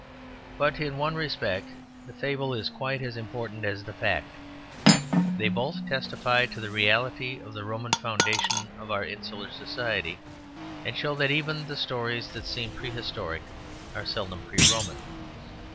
But in one respect the fable is quite as important as the fact. They both testify to the reality of the Roman foundation of our insular society, and show that even the stories that seem prehistoric are seldom pre Roman.